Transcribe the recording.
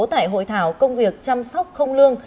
tại hội thảo công việc chăm sóc không lương